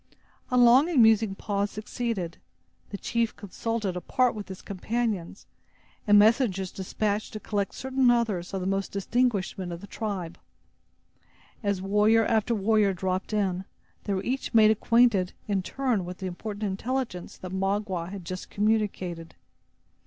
A long and musing pause succeeded. The chief consulted apart with his companions, and messengers despatched to collect certain others of the most distinguished men of the tribe. As warrior after warrior dropped in, they were each made acquainted, in turn, with the important intelligence that Magua had just communicated.